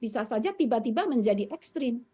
bisa saja tiba tiba menjadi ekstrim